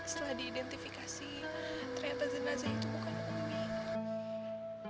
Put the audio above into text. setelah diidentifikasi ternyata jenazah itu bukan pemilik